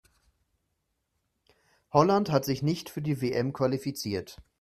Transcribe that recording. Holland hat sich nicht für die WM qualifiziert.